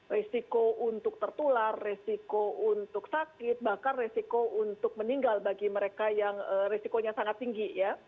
risiko untuk tertular resiko untuk sakit bahkan resiko untuk meninggal bagi mereka yang risikonya sangat tinggi ya